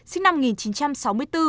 sinh năm một nghìn chín trăm sáu mươi bốn